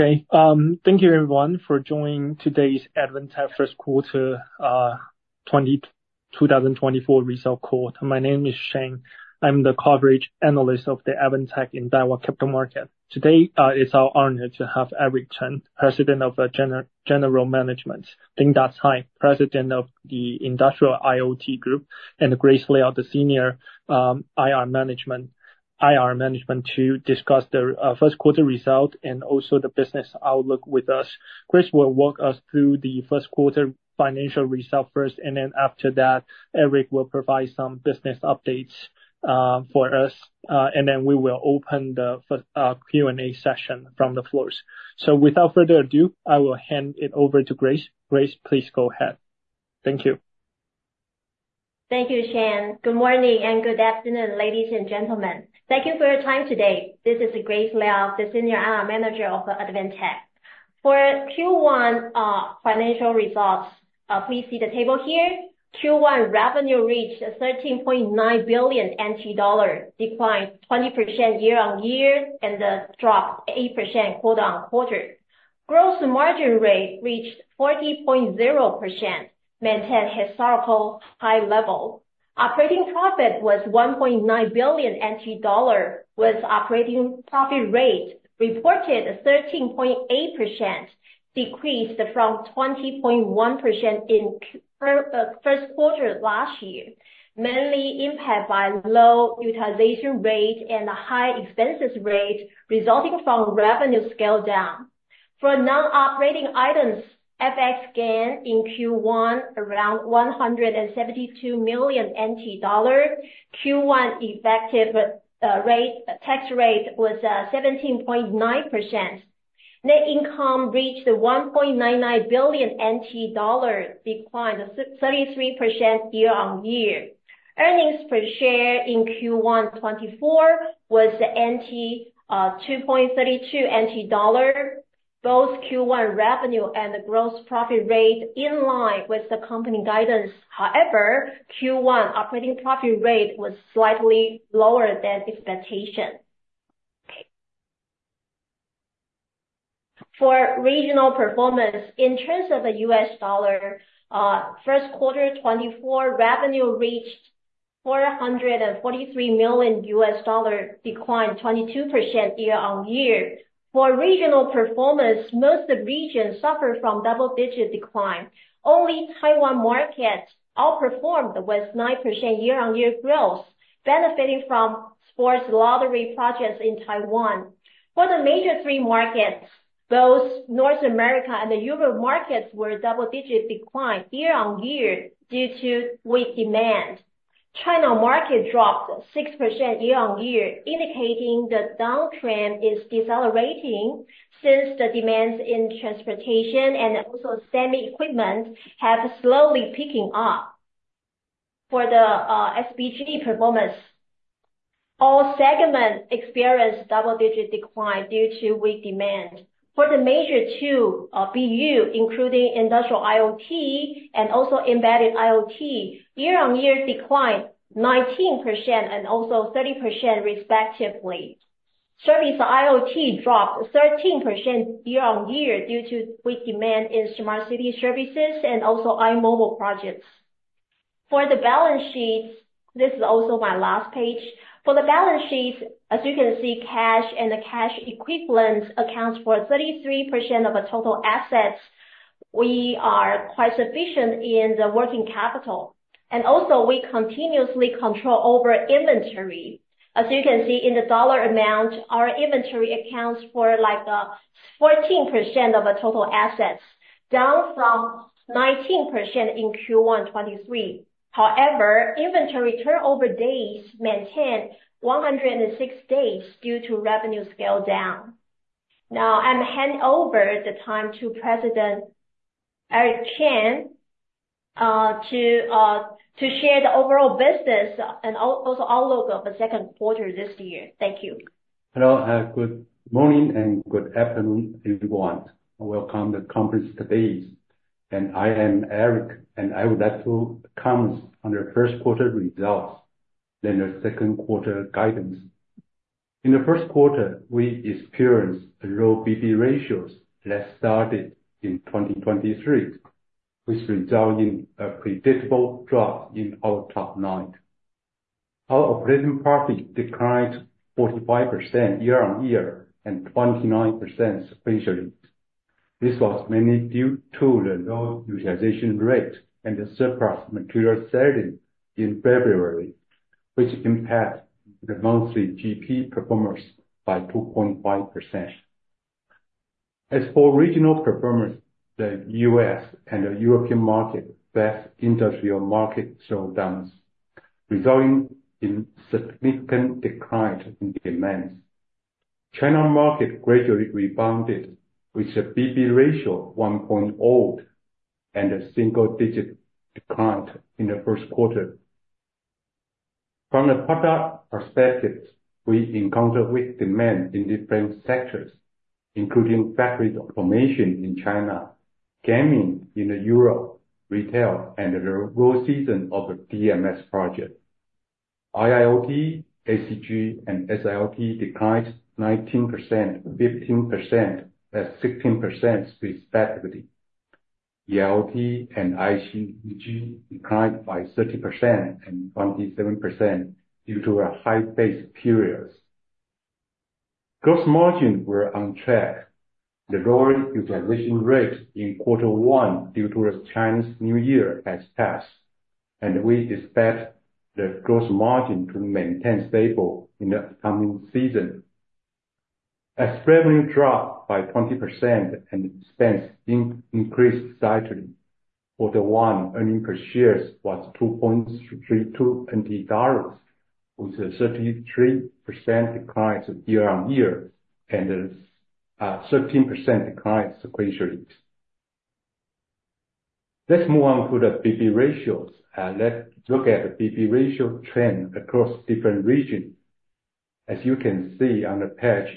Okay, thank you everyone for joining today's Advantech first quarter 2024 results call. My name is Shane. I'm the Coverage Analyst for Advantech at Daiwa Capital Markets. Today, it's our honor to have Eric Chen, President of General Management; Linda Tsai, President of the Intelligent Systems Sector; and Grace Liao, the Senior IR Manager to discuss the first quarter results and also the business outlook with us. Grace will walk us through the first quarter financial results first, and then after that, Eric will provide some business updates for us, and then we will open the Q&A session from the floor. So without further ado, I will hand it over to Grace. Grace, please go ahead. Thank you. Thank you, Shane. Good morning and good afternoon, ladies and gentlemen. Thank you for your time today. This is Grace Liao, the Senior IR Manager of Advantech. For Q1 financial results, please see the table here. Q1 revenue reached 13.9 billion NT dollar, declined 20% year-over-year, and dropped 8% quarter-over-quarter. Gross margin rate reached 40.0%, maintained historical high level. Operating profit was 1.9 billion NT dollar, with operating profit rate reported 13.8%, decreased from 20.1% in Q1 first quarter last year, mainly impacted by low utilization rate and high expenses rate resulting from revenue scale down. For non-operating items, FX gain in Q1 around 172 million NT dollars, Q1 effective tax rate was 17.9%. Net income reached 1.99 billion NT dollars, declined 33% year-over-year. Earnings per share in Q1 2024 was NT$2.32 NT dollar, both Q1 revenue and gross profit rate in line with the company guidance. However, Q1 operating profit rate was slightly lower than expectation. Okay. For regional performance, in terms of the U.S. dollar, first quarter 2024 revenue reached $443 million, declined 22% year-on-year. For regional performance, most regions suffered from double-digit decline. Only Taiwan markets outperformed with 9% year-on-year growth, benefiting from sports lottery projects in Taiwan. For the major three markets, both North America and the European markets were double-digit declined year-on-year due to weak demand. China market dropped 6% year-on-year, indicating the downtrend is decelerating since the demands in transportation and also semi-equipment have slowly picked up. For the SBG performance, all segments experienced double-digit decline due to weak demand. For the major two BU, including Industrial IoT and also Embedded IoT, year-on-year declined 19% and also 30% respectively. Service IoT dropped 13% year-on-year due to weak demand in smart city services and also iMobile projects. For the balance sheets, this is also my last page. For the balance sheets, as you can see, cash and the cash equivalents account for 33% of the total assets. We are quite sufficient in the working capital, and also we continuously control over inventory. As you can see in the dollar amount, our inventory accounts for, like, 14% of the total assets, down from 19% in Q1 2023. However, inventory turnover days maintained 106 days due to revenue scale down. Now I'm handing over the time to President Eric Chen to share the overall business and also outlook of the second quarter this year. Thank you. Hello, good morning, and good afternoon, everyone. Welcome to the conference today. I am Eric, and I would like to comment on the first quarter results, then the second quarter guidance. In the first quarter, we experienced low BB ratios that started in 2023, which resulted in a predictable drop in our top line. Our operating profit declined 45% year-on-year and 29% substantially. This was mainly due to the low utilization rate and the surplus material selling in February, which impacted the monthly GP performance by 2.5%. As for regional performers, the U.S. and the European market, best industrial markets slowed down, resulting in significant decline in demand. China market gradually rebounded, with a BB ratio of 1.0 and a single-digit decline in the first quarter. From the product perspective, we encountered weak demand in different sectors, including factory automation in China, gaming in Europe, retail, and the low season of the DMS project. IIoT, ACG, and SIoT declined 19%, 15%, and 16% respectively. IIoT and ICG declined by 30% and 27% due to high base periods. Gross margins were on track. The lower utilization rate in quarter one due to the Chinese New Year has passed, and we expect the gross margin to maintain stable in the upcoming season. As revenue dropped by 20% and expense increased slightly, quarter one earnings per share was 2.32, with a 33% decline year-on-year and a 13% decline substantially. Let's move on to the BB ratios. Let's look at the BB ratio trend across different regions. As you can see on the page,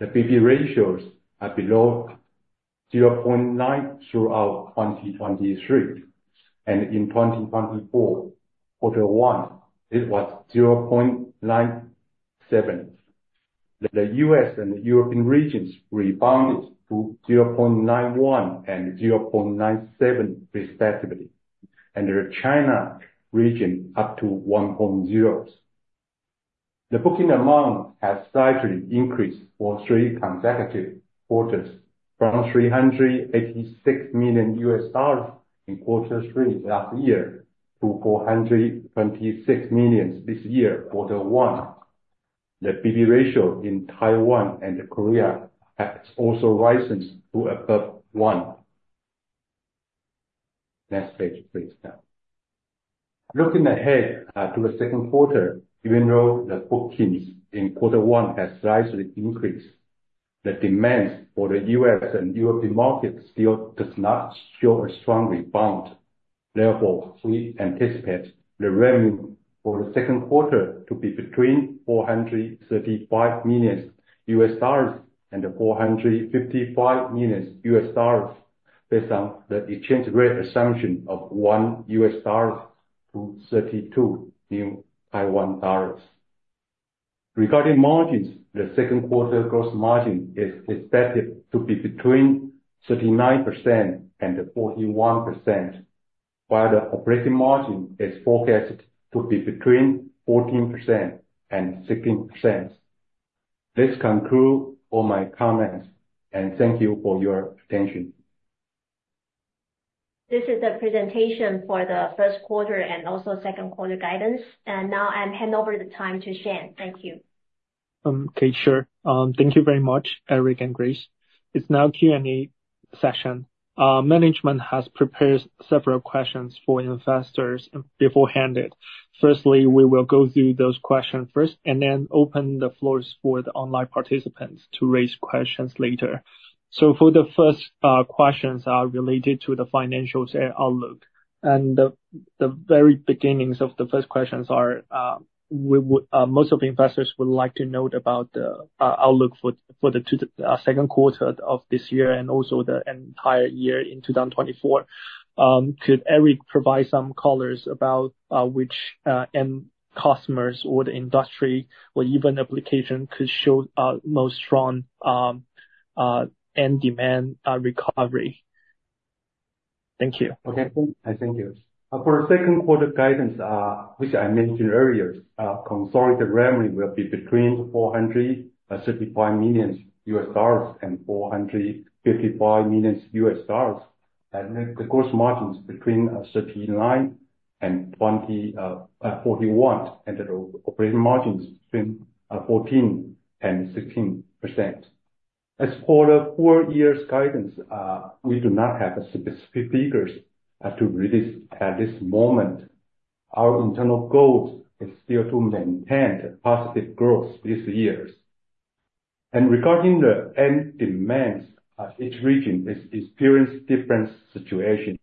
the BB ratios are below 0.9 throughout 2023. In 2024, quarter one, it was 0.97. The U.S. and the European regions rebounded to 0.91 and 0.97 respectively, and the China region up to 1.0s. The booking amount has slightly increased for three consecutive quarters, from $386 million in quarter three last year to $426 million this year, quarter one. The BB ratio in Taiwan and Korea also risen to above one. Next page, please, now. Looking ahead, to the second quarter, even though the bookings in quarter one have slightly increased, the demands for the U.S. and European markets still do not show a strong rebound. Therefore, we anticipate the revenue for the second quarter to be between $435 million and $455 million, based on the exchange rate assumption of $1 U.S. dollar to 32. Regarding margins, the second quarter gross margin is expected to be between 39% and 41%, while the operating margin is forecast to be between 14% and 16%. This concludes all my comments, and thank you for your attention. This is the presentation for the first quarter and also second quarter guidance. Now I'm handing over the time to Shane. Thank you. Kate, sure. Thank you very much, Eric and Grace. It's now Q&A session. Management has prepared several questions for investors beforehand. Firstly, we will go through those questions first and then open the floor for the online participants to raise questions later. So for the first questions, related to the financials and outlook. The very beginning of the first question is, most investors would like to know about the outlook for the second quarter of this year and also the entire year in 2024. Could Eric provide some color about which end customers or the industry or even application could show the strongest end demand recovery? Thank you. Okay. Thank you for the second quarter guidance, which I mentioned earlier. Consolidated revenue will be between $435 million and $455 million. And the gross margin is between 39%-41%, and the operating margin is between 14%-16%. As for the full-year guidance, we do not have specific figures to release at this moment. Our internal goal is still to maintain positive growth this year. And regarding the end demands, each region is experiencing different situations.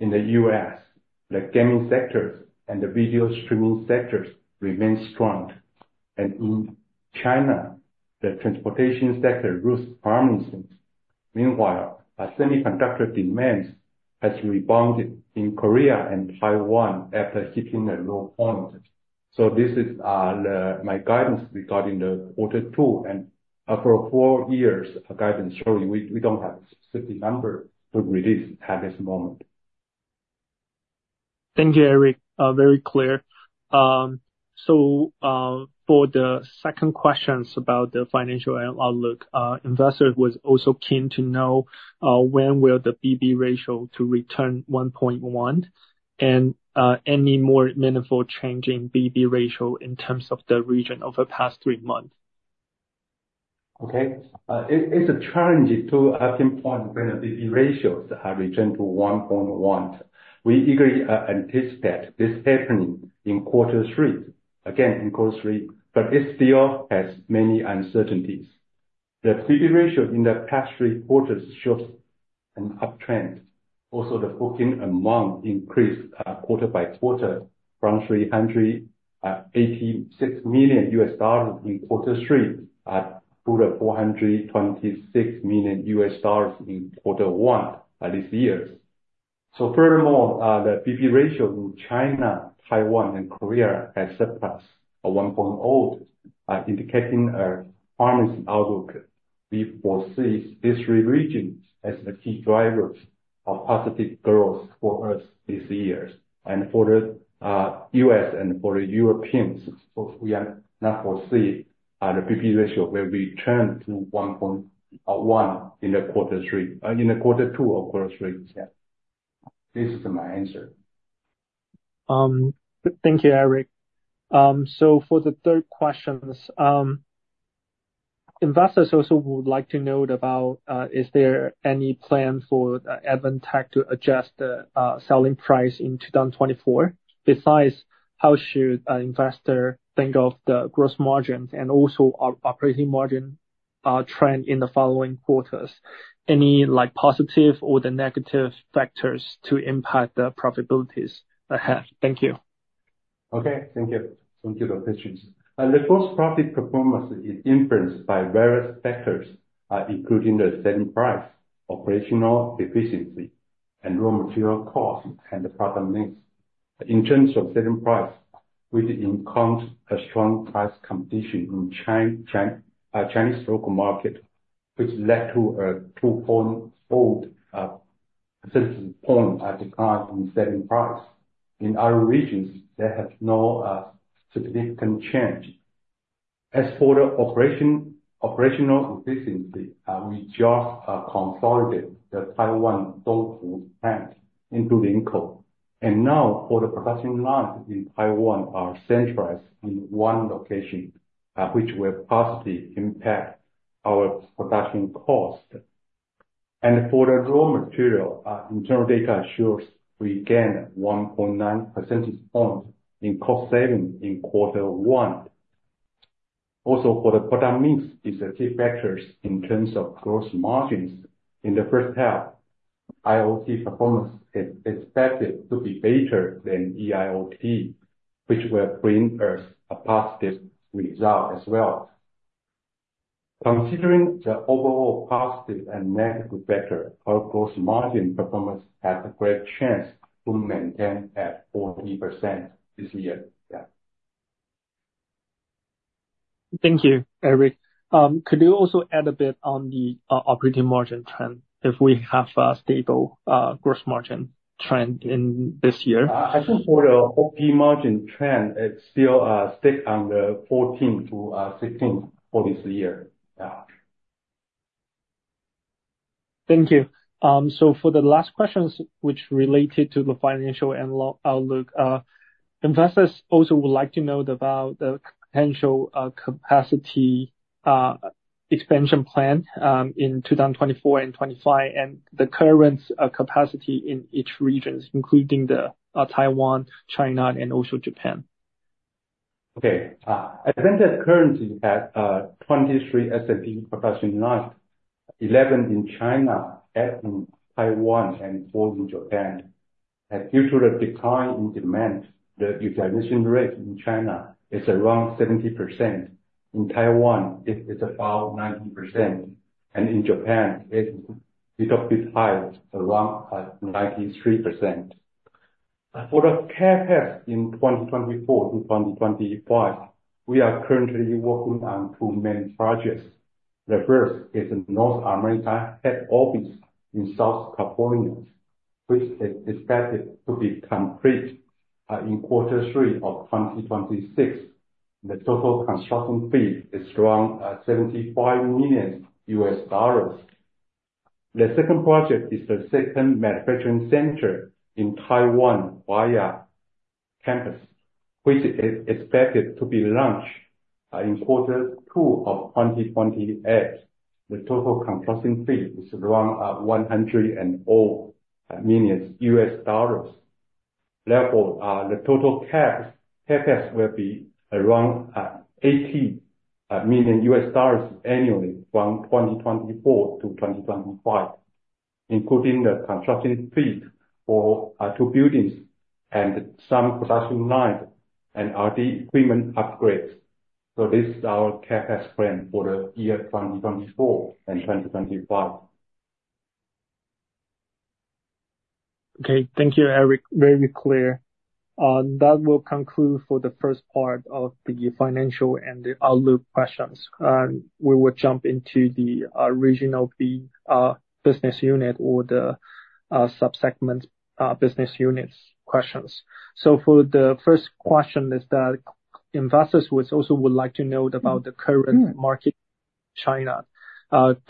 In the U.S., the gaming sectors and the video streaming sectors remain strong. And in China, the transportation sector rose prominently. Meanwhile, semiconductor demands have rebounded in Korea and Taiwan after hitting a low point. So this is my guidance regarding the quarter two. And for full-year guidance, sorry, we don't have a specific number to release at this moment. Thank you, Eric. Very clear. So, for the second questions about the financial and outlook, investors were also keen to know, when will the BB ratio return 1.1 and, any more meaningful change in BB ratio in terms of the region over the past three months? Okay. It's a challenge to pinpoint when the BB ratios return to 1.1. We eagerly anticipate this happening in quarter three, again, in quarter three, but it still has many uncertainties. The BB ratio in the past three quarters shows an uptrend. Also, the booking amount increased quarter by quarter from $386 million in quarter three to $426 million in quarter one this year. Furthermore, the BB ratio in China, Taiwan, and Korea has surplus of 1.0, indicating a promising outlook. We foresee these three regions as the key drivers of positive growth for us this year. And for the U.S. and for the Europeans, we are not foresee the BB ratio will return to 1.1 in quarter three, in quarter two of quarter three. Yeah. This is my answer. Thank you, Eric. So for the third questions, investors also would like to note about, is there any plan for Advantech to adjust the selling price in 2024? Besides, how should investors think of the gross margins and also operating margin trend in the following quarters? Any, like, positive or the negative factors to impact the profitabilities ahead? Thank you. Okay. Thank you. Thank you, Dr. Chen. The gross profit performance is influenced by various factors, including the selling price, operational efficiency, and raw material costs and the product mix. In terms of selling price, we encountered a strong price competition in China Chinese local market, which led to a 2.0 percentage point decline in selling price. In other regions, there have no significant change. As for the operational efficiency, we just consolidated the Taiwan Donghu plant into the income. And now the production lines in Taiwan are centralized in one location, which will positively impact our production cost. And for the raw material, internal data shows we gained 1.9 percentage point in cost saving in quarter one. Also, for the product mix, it's a key factor in terms of gross margins. In the first half, IoT performance is expected to be better than EIoT, which will bring us a positive result as well. Considering the overall positive and negative factor, our gross margin performance has a great chance to maintain at 40% this year. Yeah. Thank you, Eric. Could you also add a bit on the operating margin trend if we have stable gross margin trend in this year? I think for the OP margin trend, it's still sticking to the 14%-16% for this year. Yeah. Thank you. So for the last questions, which related to the financial and long-term outlook, investors also would like to know about the potential capacity expansion plan in 2024 and 2025 and the current capacity in each region, including Taiwan, China, and also Japan. Okay. Advantech currently has 23 SMT production lines, 11 in China, 11 in Taiwan, and 4 in Japan. Due to the decline in demand, the utilization rate in China is around 70%. In Taiwan, it's about 90%. And in Japan, it's a little bit higher, around 93%. For the CapEx in 2024 to 2025, we are currently working on two main projects. The first is the North America head office in Southern California, which is expected to be complete in quarter three of 2026. The total construction fee is around $75 million. The second project is the second manufacturing center in Taiwan Linkou campus, which is expected to be launched in quarter two of 2028. The total construction fee is around $100 million. Therefore, the total CapEx will be around $80 million annually from 2024 to 2025, including the construction fees for two buildings and some production lines and R&D equipment upgrades. This is our CapEx plan for the year 2024 and 2025. Okay. Thank you, Eric. Very clear. That will conclude for the first part of the financial and the outlook questions. We will jump into the regional business unit or the subsegment business units questions. So for the first question is that investors also would like to know about the current market in China.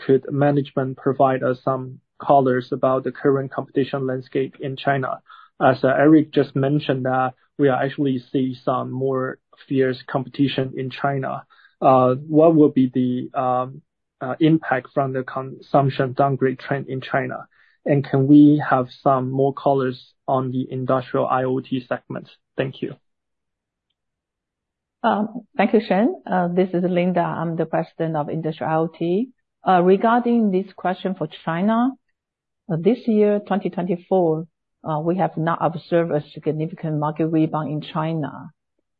Could management provide us some colors about the current competition landscape in China? As Eric just mentioned that we are actually seeing some more fierce competition in China. What will be the impact from the consumption downgrade trend in China? And can we have some more colors on the industrial IoT segment? Thank you. Thank you, Shane. This is Linda. I'm the president of Industrial IoT. Regarding this question for China, this year, 2024, we have not observed a significant market rebound in China.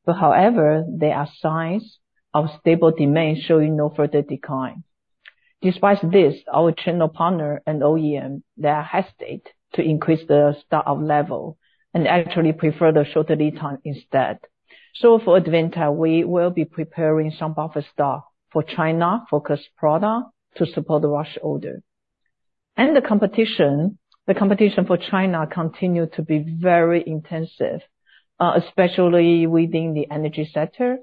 But however, there are signs of stable demand showing no further decline. Despite this, our channel partner and OEM, they are hesitant to increase the stock level and actually prefer the shorter lead time instead. So for Advantech, we will be preparing some buffer stock for China-focused products to support the rush order. And the competition, the competition for China continues to be very intensive, especially within the energy sector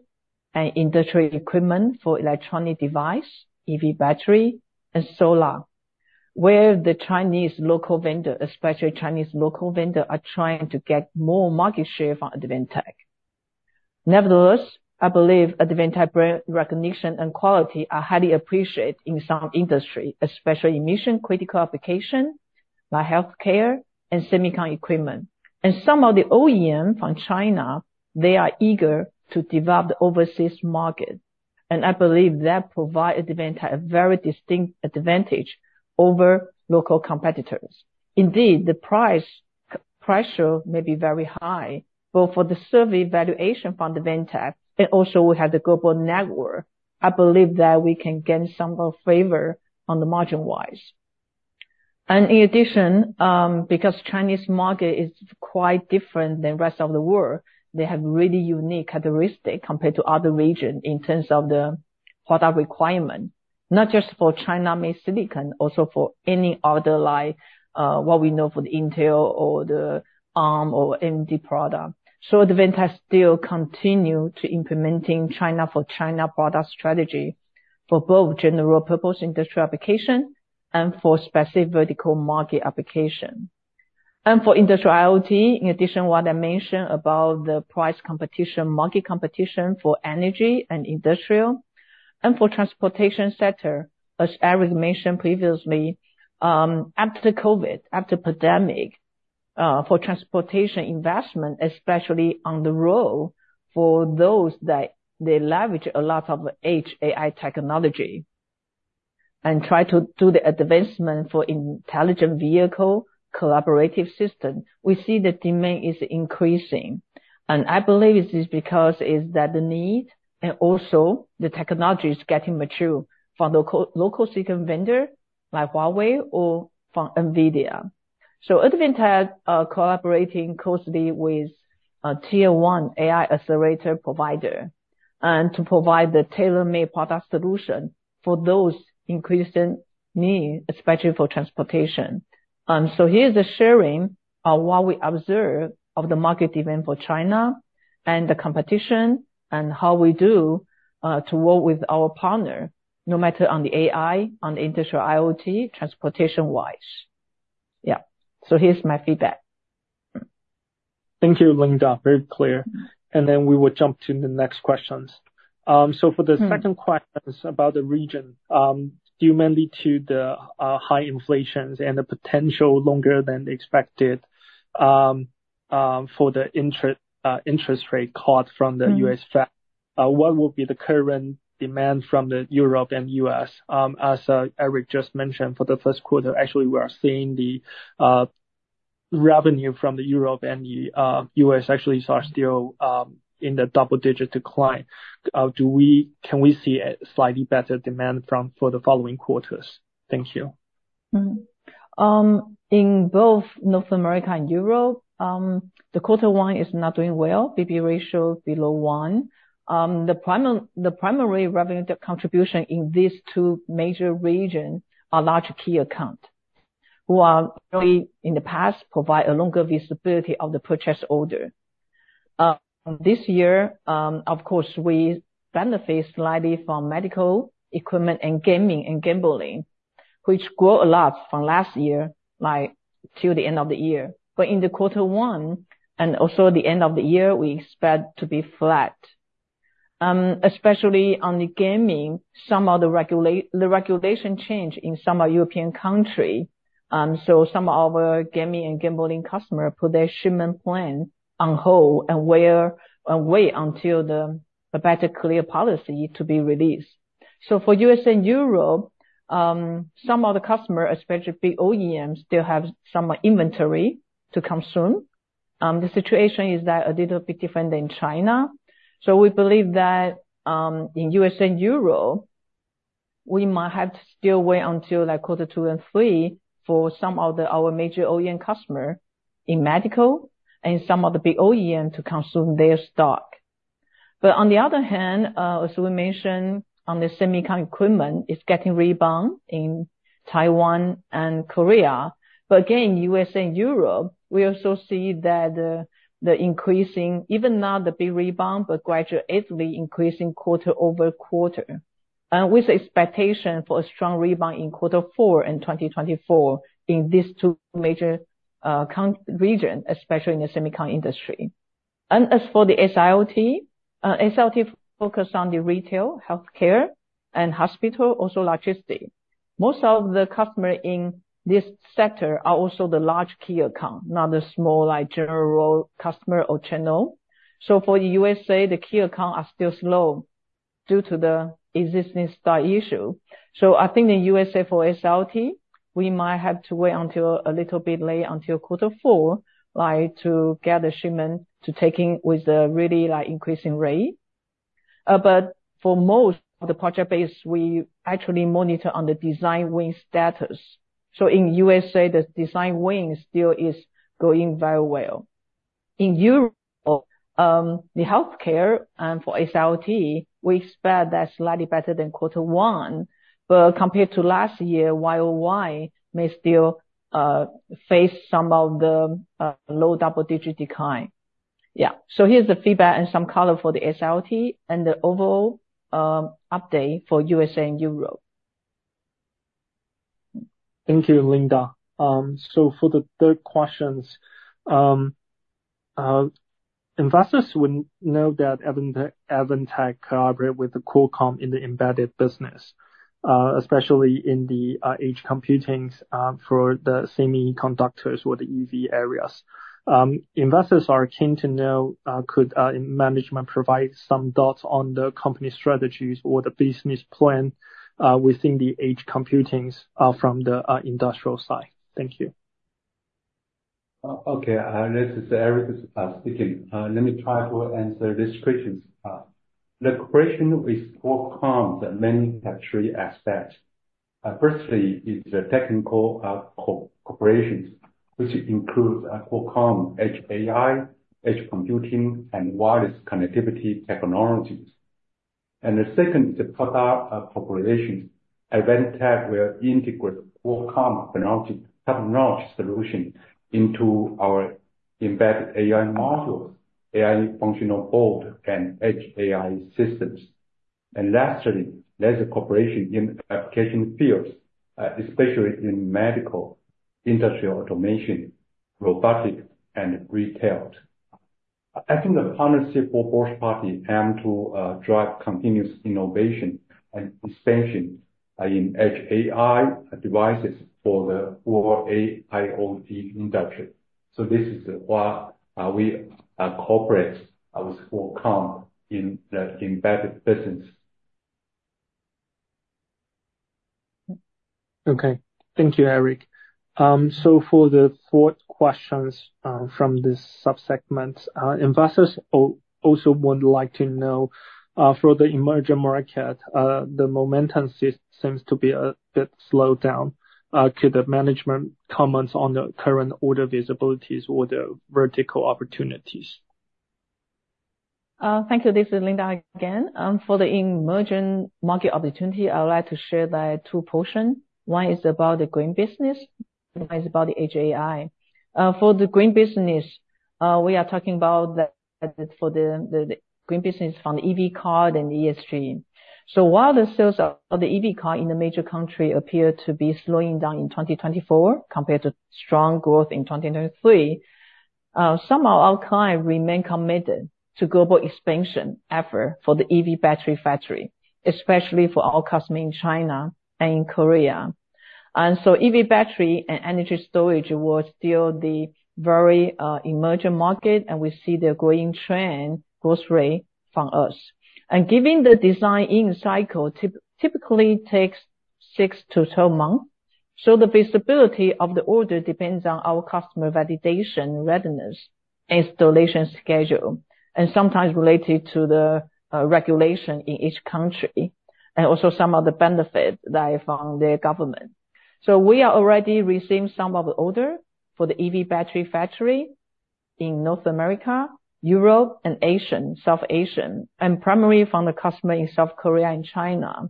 and industrial equipment for electronic devices, EV batteries, and solar, where the Chinese local vendors, especially Chinese local vendors, are trying to get more market share from Advantech. Nevertheless, I believe Advantech brand recognition and quality are highly appreciated in some industries, especially mission-critical applications, like healthcare and semiconductor equipment. Some of the OEMs from China, they are eager to develop the overseas market. I believe that provides Advantech a very distinct advantage over local competitors. Indeed, the price pressure may be very high, both for the supply validation from Advantech and also we have the global network. I believe that we can gain some more favor on the margin-wise. In addition, because the Chinese market is quite different than the rest of the world, they have really unique characteristics compared to other regions in terms of the product requirements, not just for China-made silicon, also for any other, like, what we know for the Intel or the ARM or AMD products. So Advantech still continues to implement the China-for-China product strategy for both general-purpose industrial applications and for specific vertical market applications. For industrial IoT, in addition to what I mentioned about the price competition, market competition for energy and industrial, and for the transportation sector, as Eric mentioned previously, after COVID, after the pandemic, for transportation investment, especially on the road for those that they leverage a lot of edge AI technology and try to do the advancement for intelligent vehicle collaborative systems, we see the demand is increasing. I believe this is because it's that the need and also the technology is getting mature from local silicon vendors, like Huawei, or from NVIDIA. Advantech is, collaborating closely with a tier-one AI accelerator provider to provide the tailor-made product solution for those increasing needs, especially for transportation. Here's a sharing of what we observe of the market demand for China and the competition and how we do to work with our partners no matter on the AI, on the industrial IoT, transportation-wise. Yeah. Here's my feedback. Thank you, Linda. Very clear. And then we will jump to the next questions. So for the second questions about the region, do you mainly to the high inflations and the potential longer than expected for the interest, interest rate cut from the U.S. Fed? What will be the current demand from Europe and U.S.? As Eric just mentioned, for the first quarter, actually, we are seeing the revenue from Europe and the U.S. actually are still in the double-digit decline. Do we can we see a slightly better demand from for the following quarters? Thank you. In both North America and Europe, the quarter one is not doing well. BB ratio below 1. The primary revenue contribution in these two major regions are large key accounts who are really, in the past, providing a longer visibility of the purchase order. This year, of course, we benefit slightly from medical equipment and gaming and gambling, which grew a lot from last year, like, till the end of the year. But in the quarter one and also the end of the year, we expect to be flat. Especially on the gaming, some of the regulation changed in some of the European countries. So some of our gaming and gambling customers put their shipment plans on hold and wait until the better clear policy to be released. So for U.S. and Europe, some of the customers, especially big OEMs, still have some inventory to consume. The situation is a little bit different than China. So we believe that, in U.S. and Europe, we might have to still wait until, like, quarter two and three for some of our major OEM customers in medical and some of the big OEMs to consume their stock. But on the other hand, as we mentioned, on the semiconductor equipment, it's getting rebound in Taiwan and Korea. But again, in U.S. and Europe, we also see that the increasing, even not the big rebound, but gradually increasing quarter-over-quarter, and with the expectation for a strong rebound in quarter four and 2024 in these two major key regions, especially in the semiconductor industry. And as for the SIOT, SIOT focuses on the retail, healthcare, and hospital, also logistics. Most of the customers in this sector are also the large key accounts, not the small, like, general customer or channel. So for the USA, the key accounts are still slow due to the existing stock issue. So I think in the USA for SIOT, we might have to wait until a little bit late, until quarter four, like, to get the shipment to take in with a really, like, increasing rate. But for most of the project base, we actually monitor on the design win status. So in the USA, the design win still is going very well. In Europe, the healthcare and for SIOT, we expect that's slightly better than quarter one. But compared to last year, YOY may still face some of the low double-digit decline. Yeah. So here's the feedback and some colors for the SIOT and the overall update for USA and Europe. Thank you, Linda. So for the third questions, investors would know that Advantech collaborates with Qualcomm in the embedded business, especially in the edge computing, for the semiconductors or the EV areas. Investors are keen to know, could management provide some thoughts on the company strategies or the business plan, within the edge computing, from the industrial side? Thank you. Okay. This is Eric speaking. Let me try to answer these questions. The collaboration with Qualcomm in manufacturing aspects. Firstly, it's a technical collaboration, which includes Qualcomm edge AI, edge computing, and wireless connectivity technologies. The second is the product collaboration. Advantech will integrate Qualcomm technology solutions into our embedded AI modules, AI functional boards, and edge AI systems. Lastly, there's a collaboration in application fields, especially in medical, industrial automation, robotics, and retail. I think the partnership with both parties aims to drive continuous innovation and expansion in edge AI devices for the whole AIoT industry. So this is why we cooperate with Qualcomm in the embedded business. Okay. Thank you, Eric. So for the fourth questions, from this subsegment, investors also would like to know, for the emerging market, the momentum seems to be a bit slowed down. Could the management comment on the current order visibilities or the vertical opportunities? Thank you. This is Linda again. For the emerging market opportunity, I would like to share the two portions. One is about the green business. One is about the Edge AI. For the green business, we are talking about the green business from the EV card and the ESG. So while the sales of the EV card in the major countries appear to be slowing down in 2024 compared to strong growth in 2023, some of our clients remain committed to global expansion efforts for the EV battery factory, especially for our customers in China and in Korea. And so EV battery and energy storage were still the very emerging market, and we see the growing trend, growth rate from us. Given the design-in cycle typically takes six to 12 months, so the visibility of the order depends on our customer validation, readiness, installation schedule, and sometimes related to the regulation in each country and also some of the benefits, like from their government. So we are already receiving some of the orders for the EV battery factory in North America, Europe, and Asia, South Asia, and primarily from the customers in South Korea and China.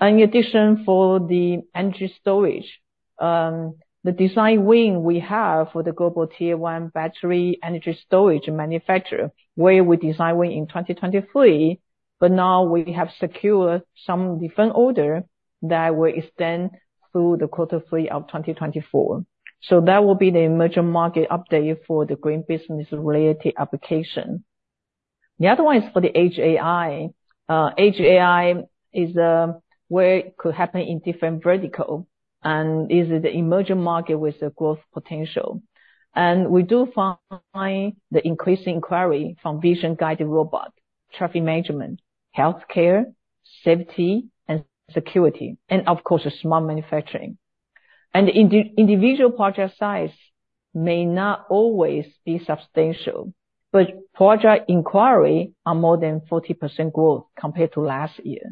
And in addition, for the energy storage, the design win we have for the global tier-one battery energy storage manufacturer, where we design win in 2023, but now we have secured some different orders that will extend through the quarter three of 2024. So that will be the emerging market update for the green business-related application. The other one is for the Edge AI. Edge AI is where it could happen in different verticals and is the emerging market with the growth potential. And we do find the increasing inquiry from vision-guided robots, traffic management, healthcare, safety, and security, and of course, smart manufacturing. And the individual project size may not always be substantial, but project inquiries are more than 40% growth compared to last year.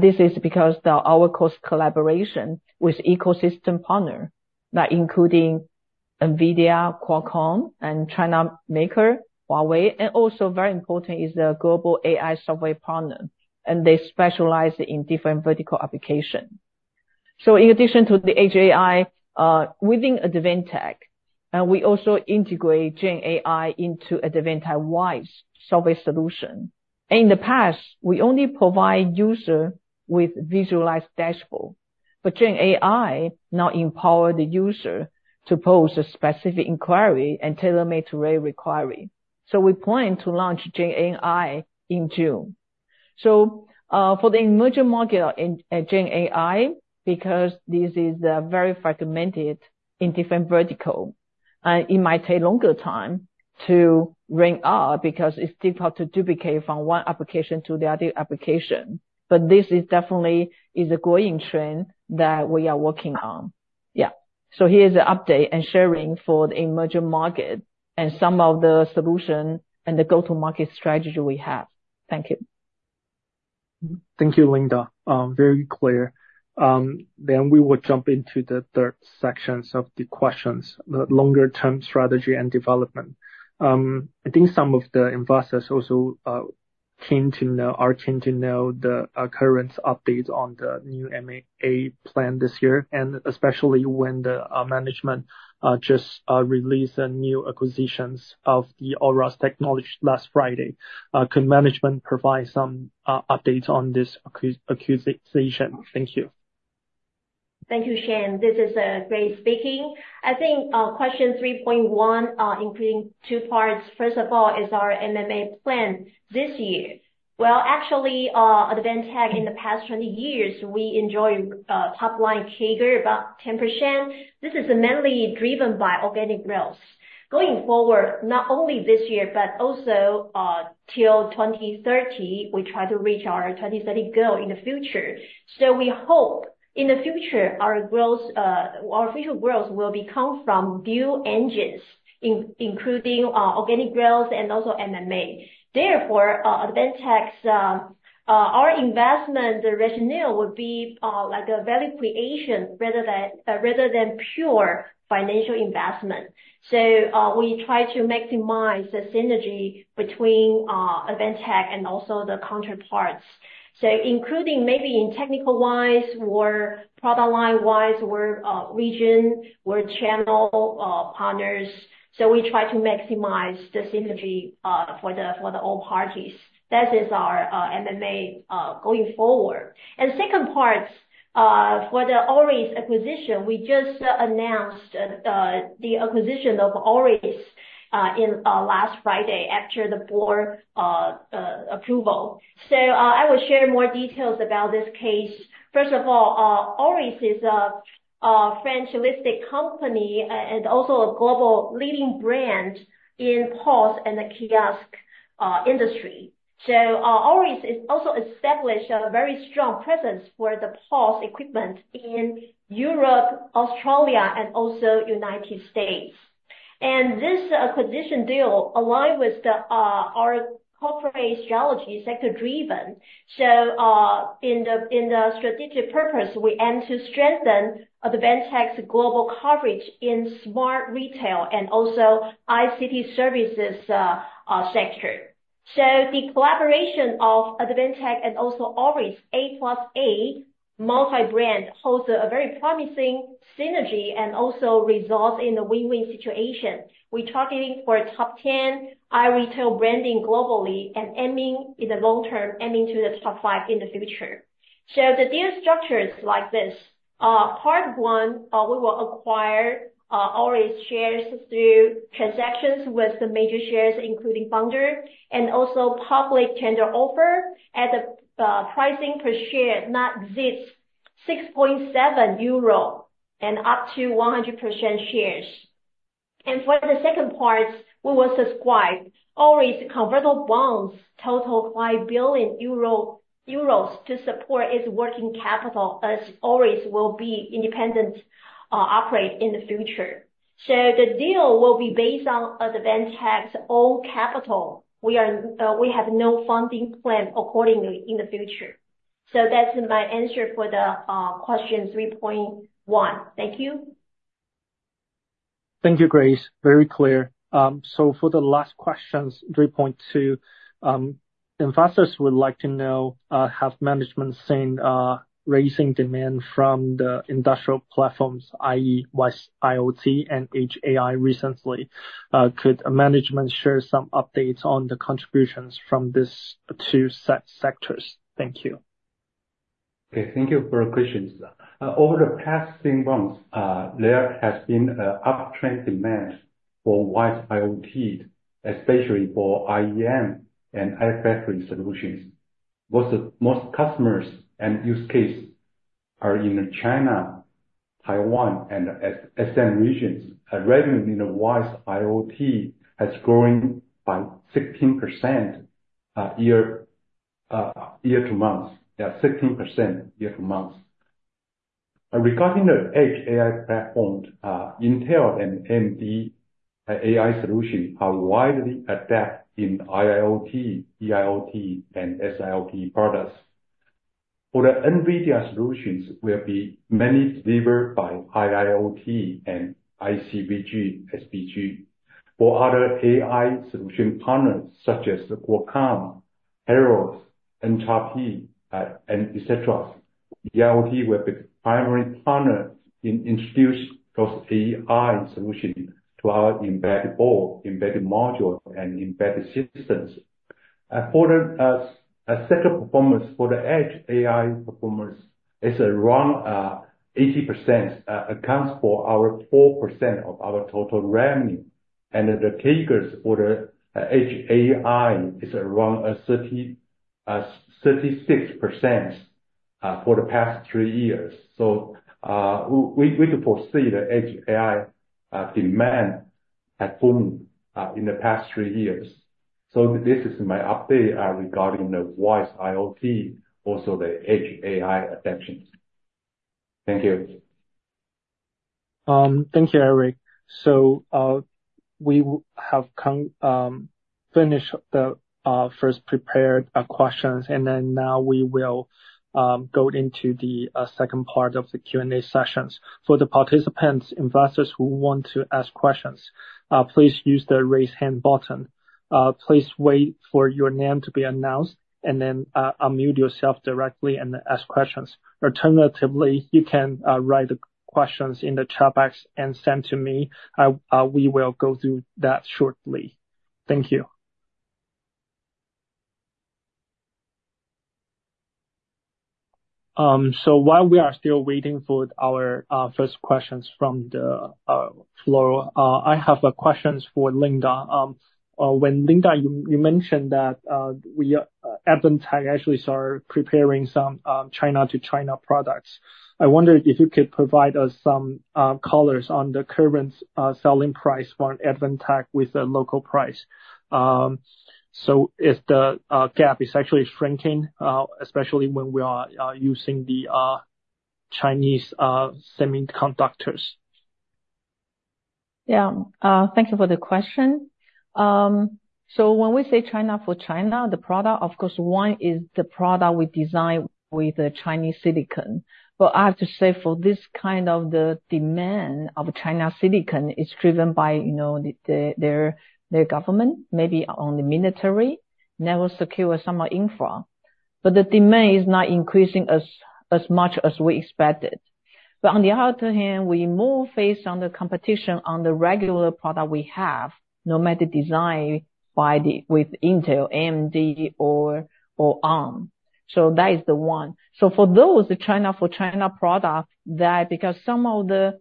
This is because of our close collaboration with ecosystem partners, including NVIDIA, Qualcomm, and China maker, Huawei, and also very important is the global AI software partner. And they specialize in different vertical applications. So in addition to the Edge AI, within Advantech, we also integrate GenAI into Advantech-wide software solutions. And in the past, we only provide users with visualized dashboards. But GenAI now empowers the user to pose a specific inquiry and tailor-made to their requirements. So we plan to launch GenAI in June. So, for the emerging market in GenAI, because this is very fragmented in different verticals, and it might take longer time to ring up because it's difficult to duplicate from one application to the other application. But this is definitely a growing trend that we are working on. Yeah. So here's the update and sharing for the emerging market and some of the solutions and the go-to-market strategy we have. Thank you. Thank you, Linda. Very clear. Then we will jump into the third sections of the questions, the longer-term strategy and development. I think some of the investors also keen to know are keen to know the current updates on the new M&A plan this year. And especially when the management just released the new acquisition of Aures Technologies last Friday, could management provide some updates on this acquisition? Thank you. Thank you, Chen. This is Grace speaking. I think question 3.1 including two parts. First of all, our M&A plan this year? Well, actually, Advantech, in the past 20 years, we enjoyed top-line CAGR about 10%. This is mainly driven by organic growth. Going forward, not only this year but also till 2030, we try to reach our 2030 goal in the future. So we hope in the future, our growth, our future growth will come from new engines, including organic growth and also M&A. Therefore, Advantech's, our investment regime would be, like, a value creation rather than rather than pure financial investment. So, we try to maximize the synergy between Advantech and also the counterparts, so including maybe in technical-wise or product-line-wise or region or channel partners. So we try to maximize the synergy for the all parties. That is our M&A going forward. And second part, for the Aures acquisition, we just announced, the acquisition of Aures, in last Friday after the board approval. So, I will share more details about this case. First of all, Aures is a franchising company and also a global leading brand in POS and the kiosk industry. So, Aures also established a very strong presence for the POS equipment in Europe, Australia, and also the United States. And this acquisition deal aligns with our corporate strategy, sector-driven. So, in the strategic purpose, we aim to strengthen Advantech's global coverage in smart retail and also ICT services sector. So the collaboration of Advantech and also Aures A+A multi-brand holds a very promising synergy and also results in a win-win situation. We're targeting for a top 10 iRetail branding globally and aiming in the long term, aiming to the top five in the future. So the deal structure is like this. Part one, we will acquire Aures shares through transactions with the major shares, including founder, and also public tender offer at a pricing per share not exceeds 6.7 euro and up to 100% shares. And for the second part, we will subscribe Aures convertible bonds, total 5 billion euro to support its working capital as Aures will be independent, operate in the future. So the deal will be based on Advantech's own capital. We have no funding plan accordingly in the future. So that's my answer for the question 3.1. Thank you. Thank you, Grace. Very clear. So for the last questions, 3.2, investors would like to know, have management seen rising demand from the industrial platforms, i.e., WISE-IoT and Edge AI recently? Could management share some updates on the contributions from these two sectors? Thank you. Okay. Thank you for the questions. Over the past three months, there has been an uptrend demand for WISE-IoT, especially for IEM and iFactory solutions. Most customers and use cases are in China, Taiwan, and SM regions. Revenue in the WISE-IoT has grown by 16% year year to month. Yeah, 16% year to month. Regarding the edge AI platforms, Intel and AMD AI solutions are widely adapted in IIoT, EIoT, and SIoT products. For the NVIDIA solutions, there will be many delivered by IIoT and ICVG, SVG. For other AI solution partners such as Qualcomm, Huawei, NXP, etc., EIoT will be the primary partner in introducing those AI solutions to our embedded board, embedded modules, and embedded systems. For the sector performance for the edge AI performance, it's around 80%, accounts for our 4% of our total revenue. And the CAGRs for the Edge AI is around 30%-36%, for the past three years. So, we do foresee the Edge AI demand at booming, in the past three years. So this is my update, regarding the WISE IoT, also the Edge AI adoption. Thank you. Thank you, Eric. So, we have finished the first prepared questions. Then now we will go into the second part of the Q&A sessions. For the participants, investors who want to ask questions, please use the raise hand button. Please wait for your name to be announced, and then unmute yourself directly and ask questions. Alternatively, you can write the questions in the chat box and send to me. We will go through that shortly. Thank you. So while we are still waiting for our first questions from the floor, I have a question for Linda. When Linda, you mentioned that we, Advantech actually started preparing some China to China products. I wonder if you could provide us some colors on the current selling price for Advantech with the local price. So if the gap is actually shrinking, especially when we are using the Chinese semiconductors. Yeah. Thank you for the question. So when we say China for China, the product, of course, one is the product we design with the Chinese silicon. But I have to say for this kind of the demand of China silicon is driven by, you know, their government, maybe on the military, network secure some infra. But the demand is not increasing as much as we expected. But on the other hand, we're more based on the competition on the regular product we have, no matter designed with Intel, AMD, or ARM. So that is the one. So for those, the China for China product, that because some of the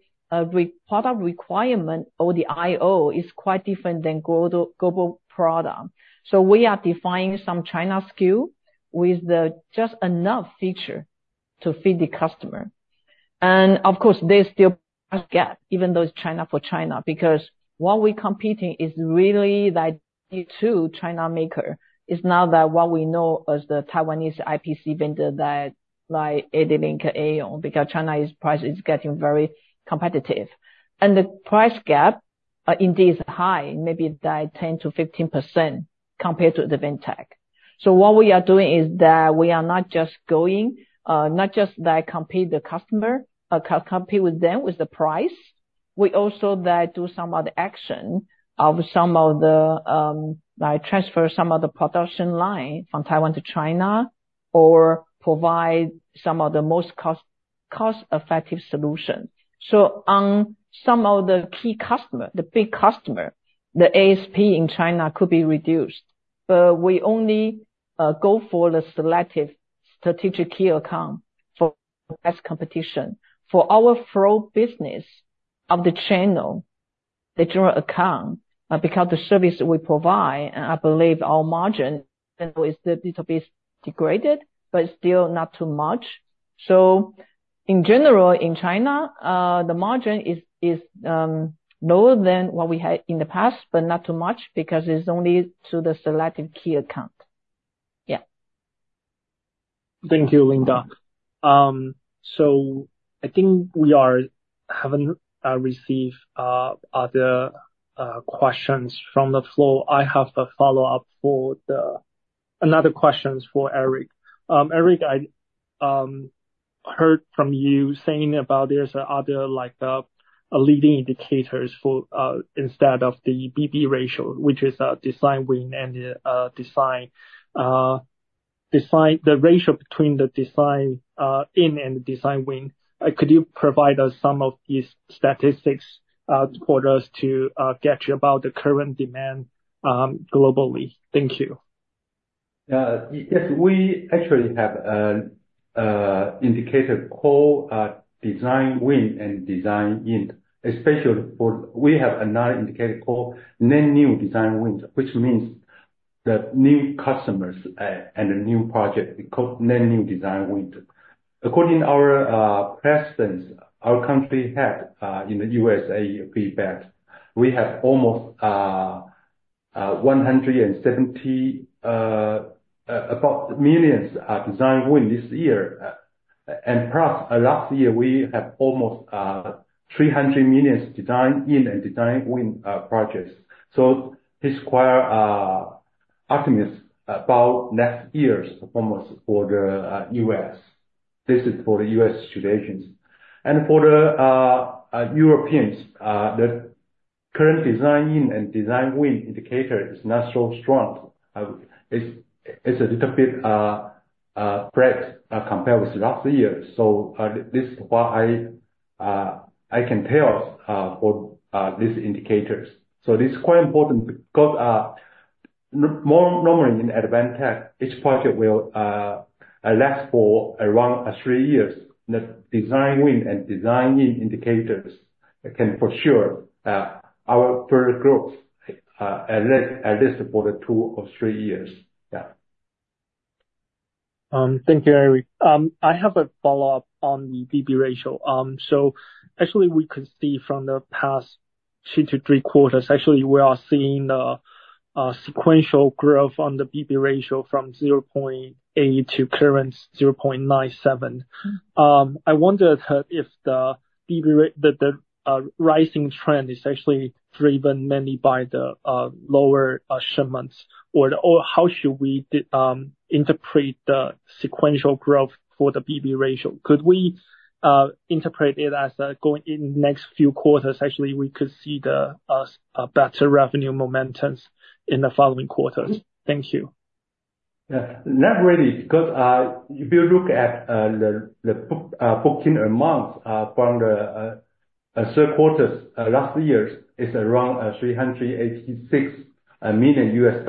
product requirement or the I/O is quite different than global product. So we are defining some China SKU with the just enough feature to fit the customer. Of course, there's still a gap even though it's China for China because what we're competing is really, like, to China maker. It's not that what we know as the Taiwanese IPC vendor that, like, ADLINK AAEON because China's price is getting very competitive. The price gap, indeed is high, maybe like 10%-15% compared to Advantech. So what we are doing is that we are not just going, not just, like, compete the customer, compete with them with the price. We also, like, do some other action of some of the, like, transfer some of the production line from Taiwan to China or provide some of the most cost, cost-effective solutions. So on some of the key customer, the big customer, the ASP in China could be reduced. But we only, go for the selective strategic key account for less competition. For our flow business of the channel, the general account, because the service we provide, and I believe our margin is a little bit degraded but still not too much. So in general, in China, the margin is lower than what we had in the past but not too much because it's only to the selective key account. Yeah. Thank you, Linda. So I think we haven't received other questions from the floor. I have a follow-up, another question for Eric. Eric, I heard from you saying about there's other like leading indicators for instead of the BB ratio, which is a design win and the design-in, the ratio between the design-in and the design win. Could you provide us some of these statistics for us to get a view about the current demand globally? Thank you. Yeah. Yes. We actually have an indicator called design win and design in, especially for we have another indicator called net new design win, which means the new customers, and the new project. It's called net new design win. According to our president, our country head in the USA feedback, we have almost $170 million design win this year. And plus last year, we have almost $300 million design in and design win projects. So this is quite optimistic about next year's performance for the US. This is for the U.S. situations. And for the Europeans, the current design in and design win indicator is not so strong. It's a little bit slack compared with last year. So this is what I can tell for these indicators. So this is quite important because normally in Advantech, each project will last for around three years. The design win and design in indicators can, for sure, our further growth, at least for the two or three years. Yeah. Thank you, Eric. I have a follow-up on the BB ratio. So actually, we could see from the past two to three quarters, actually, we are seeing the sequential growth on the BB ratio from 0.8 to current 0.97. I wondered if the BB rate, the rising trend is actually driven mainly by the lower shipments or how should we interpret the sequential growth for the BB ratio? Could we interpret it as, going in the next few quarters, actually, we could see the better revenue momentum in the following quarters? Thank you. Yeah. Not really because if you look at the booking amount from the third quarter last year is around $386 million.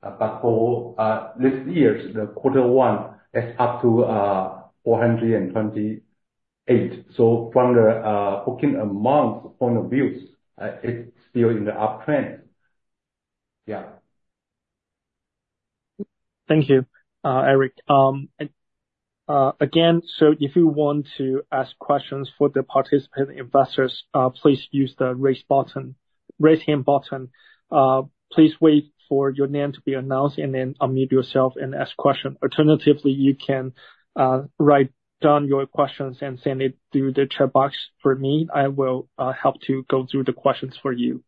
But for this year, quarter one is up to $428 million. So from the booking amount point of view, it's still in the uptrend. Yeah. Thank you, Eric. And again, so if you want to ask questions for the participant investors, please use the raise hand button. Please wait for your name to be announced, and then unmute yourself and ask questions. Alternatively, you can write down your questions and send it through the chat box for me. I will help to go through the questions for you.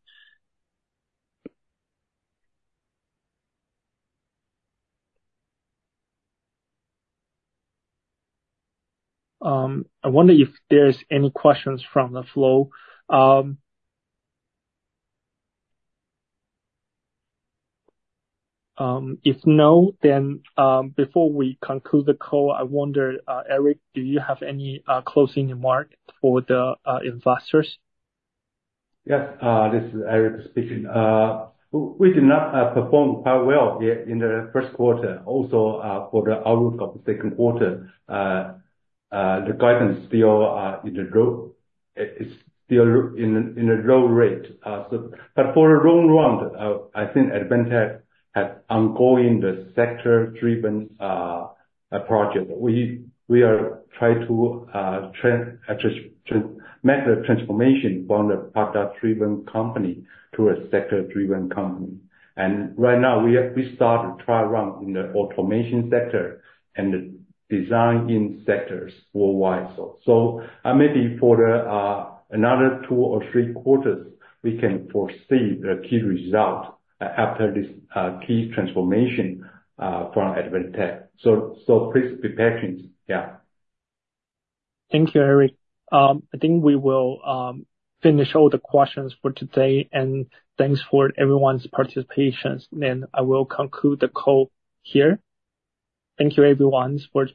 I wonder if there's any questions from the floor. If no, then before we conclude the call, I wonder, Eric, do you have any closing remark for the investors? Yes. This is Eric speaking. We did not perform quite well yet in the first quarter. Also, for the outlook of the second quarter, the guidance still in the low; it's still in a low rate. So but for the long run, I think Advantech has ongoing the sector-driven project. We are trying to trend actually make the transformation from the product-driven company to a sector-driven company. And right now, we have started try around in the automation sector and the design in sectors worldwide. So maybe for another two or three quarters, we can foresee the key result after this key transformation from Advantech. So please be patient. Yeah. Thank you, Eric. I think we will finish all the questions for today. Thanks for everyone's participation. I will conclude the call here. Thank you, everyone, for.